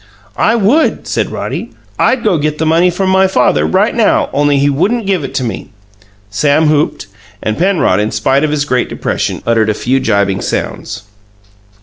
"I would," said Roddy. "I'd go get the money from my father right now, only he wouldn't give it to me." Sam whooped, and Penrod, in spite of his great depression, uttered a few jibing sounds.